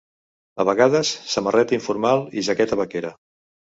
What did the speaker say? A vegades, samarreta informal i jaqueta vaquera.